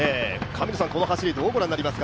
この走り、どうご覧になりますか？